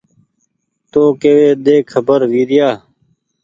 تو ڪيوي ۮي کبر ويريآ